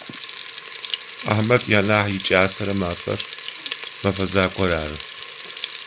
Ахьмэд янахь икӏасэрэ мэфэр мэфэзакъор ары.